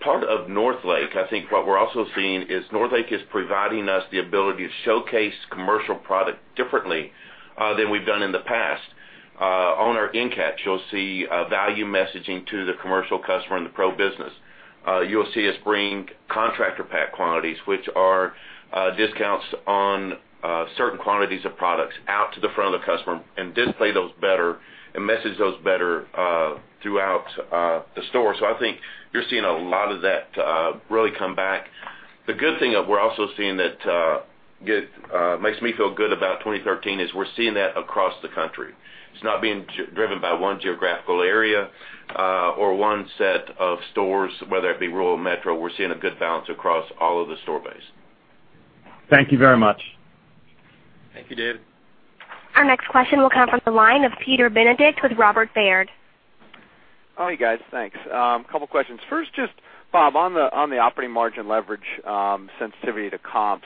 part of Northlake, I think what we're also seeing is Northlake is providing us the ability to showcase commercial product differently than we've done in the past. On our end caps, you'll see value messaging to the commercial customer in the pro business. You'll see us bring contractor pack quantities, which are discounts on certain quantities of products out to the front of the customer and display those better and message those better throughout the store. I think you're seeing a lot of that really come back. The good thing we're also seeing that makes me feel good about 2013 is we're seeing that across the country. It's not being driven by one geographical area or one set of stores, whether it be rural or metro. We're seeing a good balance across all of the store base. Thank you very much. Thank you, David. Our next question will come from the line of Peter Benedict with Robert W. Baird. Hi, guys. Thanks. Couple of questions. First, just Bob, on the operating margin leverage sensitivity to comps,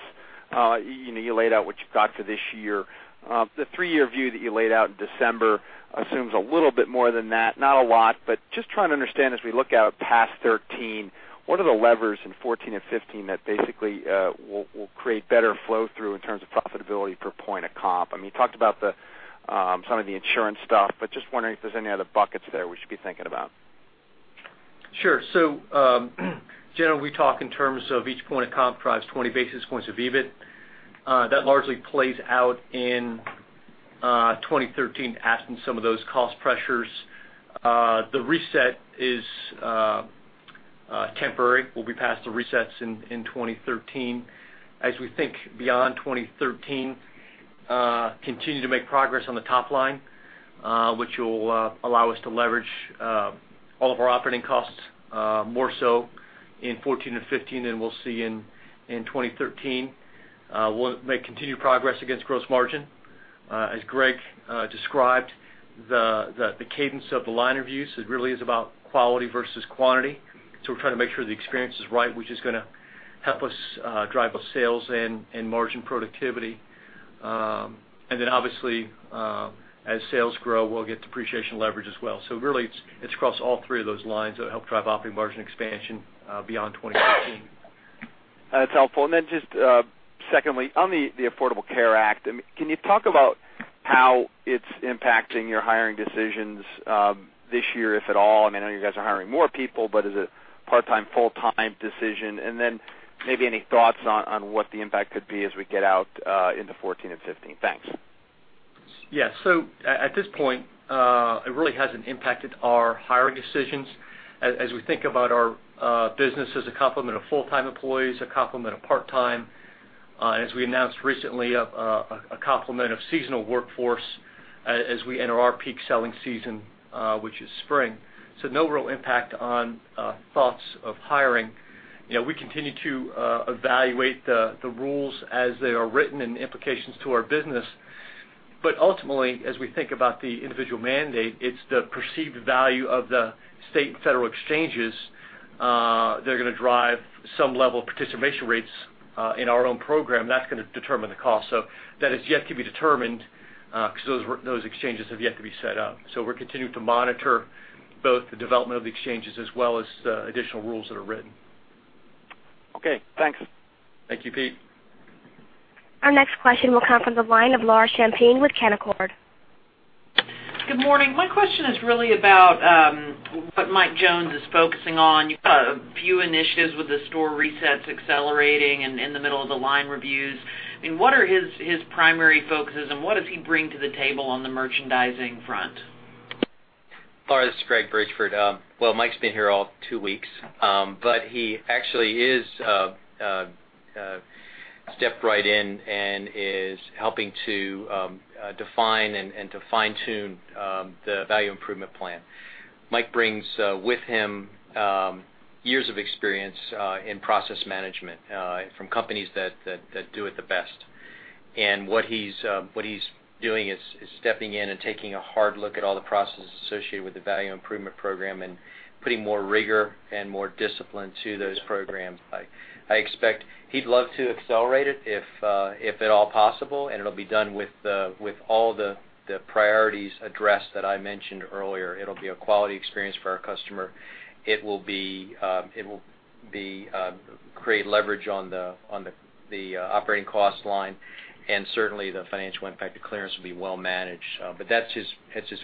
you laid out what you've got for this year. The three-year view that you laid out in December assumes a little bit more than that, not a lot, but just trying to understand, as we look out past 2013, what are the levers in 2014 and 2015 that basically will create better flow-through in terms of profitability per point of comp? You talked about some of the insurance stuff, but just wondering if there's any other buckets there we should be thinking about. Sure. Generally, we talk in terms of each point of comp drives 20 basis points of EBIT. That largely plays out in 2013 absent some of those cost pressures. The reset is temporary. We'll be past the resets in 2013. As we think beyond 2013, continue to make progress on the top line, which will allow us to leverage all of our operating costs more so in 2014 and 2015 than we'll see in 2013. We'll make continued progress against gross margin. As Greg described, the cadence of the line reviews, it really is about quality versus quantity. We're trying to make sure the experience is right, which is going to help us drive both sales and margin productivity. Obviously, as sales grow, we'll get depreciation leverage as well. Really, it's across all three of those lines that help drive operating margin expansion beyond 2015. That's helpful. Just secondly, on the Affordable Care Act, can you talk about how it's impacting your hiring decisions this year, if at all? I know you guys are hiring more people, but is it part-time, full-time decision? Maybe any thoughts on what the impact could be as we get out into 2014 and 2015? Thanks. Yes. At this point, it really hasn't impacted our hiring decisions. As we think about our business as a complement of full-time employees, a complement of part-time, as we announced recently, a complement of seasonal workforce as we enter our peak selling season, which is spring. No real impact on thoughts of hiring. We continue to evaluate the rules as they are written and the implications to our business. Ultimately, as we think about the individual mandate, it's the perceived value of the state and federal exchanges that are going to drive some level of participation rates in our own program. That's going to determine the cost. That is yet to be determined because those exchanges have yet to be set up. We're continuing to monitor both the development of the exchanges as well as the additional rules that are written. Okay, thanks. Thank you, Pete. Our next question will come from the line of Laura Champine with Canaccord. Good morning. My question is really about what Mike Jones is focusing on. You've got a few initiatives with the store resets accelerating and in the middle of the line reviews. What are his primary focuses, and what does he bring to the table on the merchandising front? Laura, this is Greg Bridgeford. Well, Mike's been here all two weeks. He actually has stepped right in and is helping to define and to fine-tune the Value Improvement Plan. Mike brings with him years of experience in process management from companies that do it the best. What he's doing is stepping in and taking a hard look at all the processes associated with the Value Improvement Program and putting more rigor and more discipline to those programs. I expect he'd love to accelerate it if at all possible, and it'll be done with all the priorities addressed that I mentioned earlier. It'll be a quality experience for our customer. It will create leverage on the operating cost line, and certainly the financial impact of clearance will be well managed. That's his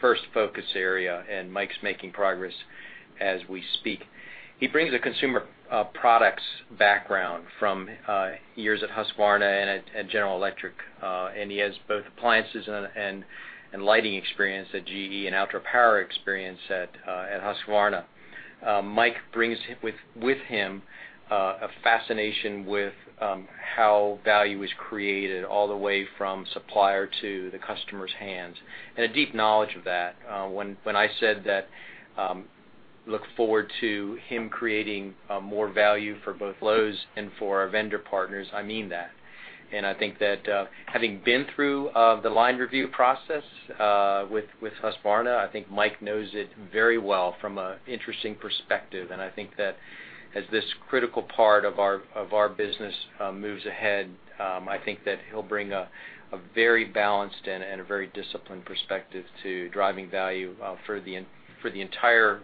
first focus area, and Mike's making progress as we speak. He brings a consumer products background from years at Husqvarna and at General Electric, and he has both appliances and lighting experience at GE and ultra power experience at Husqvarna. Mike brings with him a fascination with how value is created all the way from supplier to the customer's hands, and a deep knowledge of that. When I said that look forward to him creating more value for both Lowe's and for our vendor partners, I mean that. I think that having been through the line review process with Husqvarna, I think Mike knows it very well from an interesting perspective. I think that as this critical part of our business moves ahead, I think that he'll bring a very balanced and a very disciplined perspective to driving value for the entire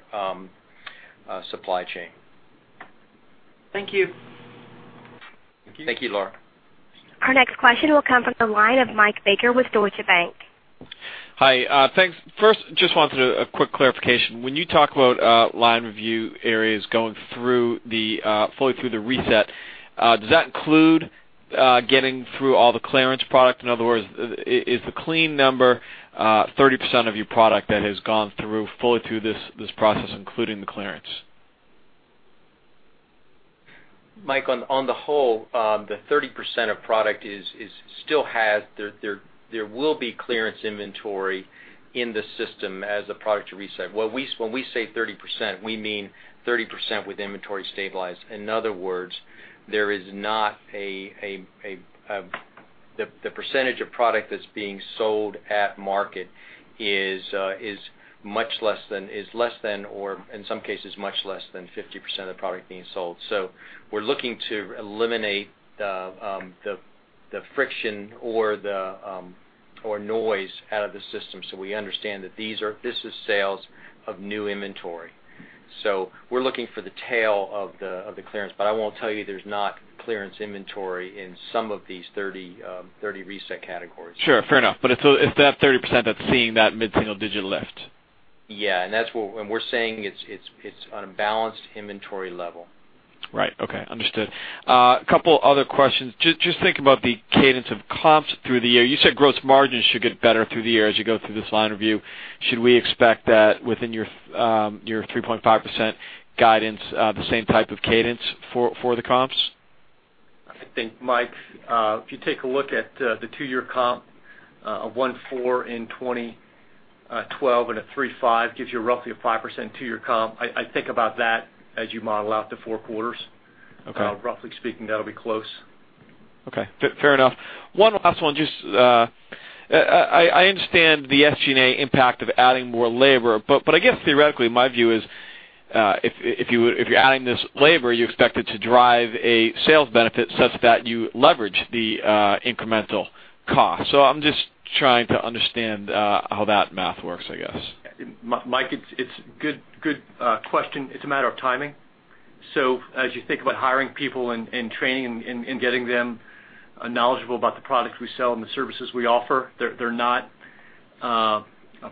supply chain. Thank you. Thank you, Laura. Our next question will come from the line of Michael Baker with Deutsche Bank. Hi, thanks. First, just wanted a quick clarification. When you talk about line review areas going fully through the reset, does that include getting through all the clearance product? In other words, is the clean number 30% of your product that has gone through fully through this process, including the clearance? Mike, on the whole, the 30% of product still has. There will be clearance inventory in the system as a product to reset. When we say 30%, we mean 30% with inventory stabilized. In other words, there is not a. The percentage of product that's being sold at market is less than, or in some cases much less than 50% of the product being sold. We're looking to eliminate the friction or noise out of the system so we understand that this is sales of new inventory. We're looking for the tail of the clearance. I won't tell you there's not clearance inventory in some of these 30 reset categories. Sure, fair enough. It's that 30% that's seeing that mid-single digit lift. Yeah. We're saying it's on a balanced inventory level. Right. Okay. Understood. Couple other questions. Just thinking about the cadence of comps through the year, you said gross margins should get better through the year as you go through this line review. Should we expect that within your 3.5% guidance, the same type of cadence for the comps? I think, Mike, if you take a look at the two-year comp of 1.4% in 2012 and a 3.5% gives you roughly a 5% two-year comp. I'd think about that as you model out the four quarters. Okay. Roughly speaking, that'll be close. Okay. Fair enough. One last one. I understand the SG&A impact of adding more labor, I guess theoretically, my view is if you're adding this labor, you expect it to drive a sales benefit such that you leverage the incremental cost. I'm just trying to understand how that math works, I guess. Mike, it's a good question. It's a matter of timing. As you think about hiring people and training and getting them knowledgeable about the products we sell and the services we offer, they're not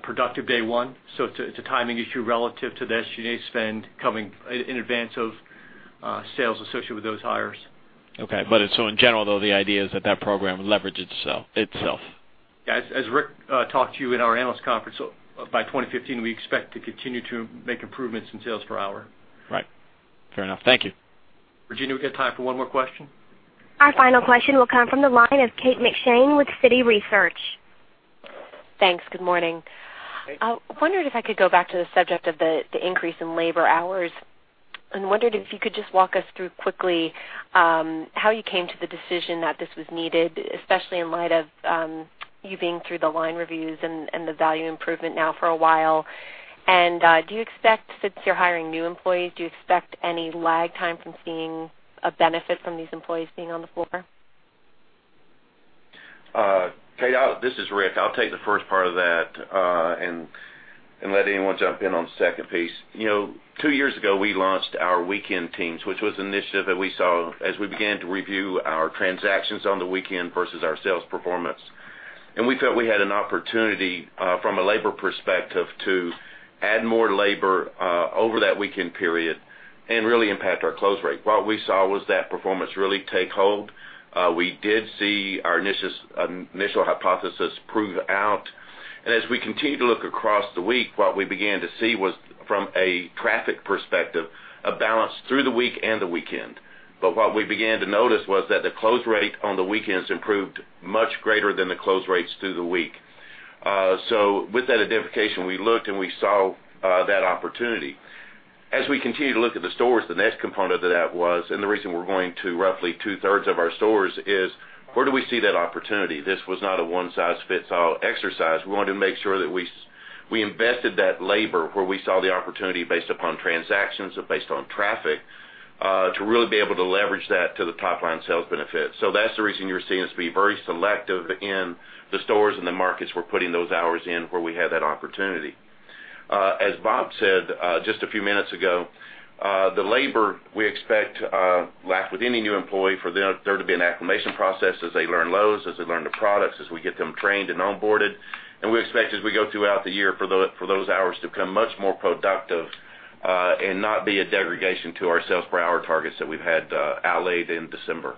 productive day one. It's a timing issue relative to the SG&A spend coming in advance of sales associated with those hires. Okay. In general, though, the idea is that that program will leverage itself. As Rick talked to you in our analyst conference, by 2015, we expect to continue to make improvements in sales per hour. Right. Fair enough. Thank you. Regina, we've got time for one more question. Our final question will come from the line of Kate McShane with Citi Research. Thanks. Good morning. Hey. I wondered if I could go back to the subject of the increase in labor hours, wondered if you could just walk us through quickly how you came to the decision that this was needed, especially in light of you being through the line reviews and the value improvement now for a while. Since you're hiring new employees, do you expect any lag time from seeing a benefit from these employees being on the floor? Kate, this is Rick. I'll take the first part of that and let anyone jump in on the second piece. Two years ago, we launched our weekend teams, which was an initiative that we saw as we began to review our transactions on the weekend versus our sales performance. We felt we had an opportunity from a labor perspective to add more labor over that weekend period and really impact our close rate. What we saw was that performance really take hold. We did see our initial hypothesis prove out. As we continued to look across the week, what we began to see was from a traffic perspective, a balance through the week and the weekend. What we began to notice was that the close rate on the weekends improved much greater than the close rates through the week. With that identification, we looked, and we saw that opportunity. As we continued to look at the stores, the next component of that was, and the reason we're going to roughly two-thirds of our stores is, where do we see that opportunity? This was not a one-size-fits-all exercise. We wanted to make sure that we invested that labor where we saw the opportunity based upon transactions and based on traffic to really be able to leverage that to the top line sales benefit. That's the reason you're seeing us be very selective in the stores and the markets we're putting those hours in where we have that opportunity. As Bob said just a few minutes ago, the labor we expect, like with any new employee, for there to be an acclimation process as they learn Lowe's, as they learn the products, as we get them trained and onboarded. We expect as we go throughout the year for those hours to become much more productive and not be a degradation to our sales per hour targets that we've had outlaid in December.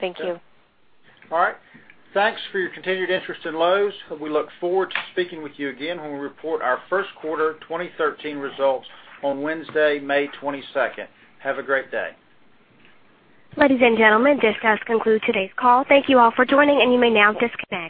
Thank you. All right. Thanks for your continued interest in Lowe's. We look forward to speaking with you again when we report our first quarter 2013 results on Wednesday, May 22nd. Have a great day. Ladies and gentlemen, this does conclude today's call. Thank you all for joining, and you may now disconnect.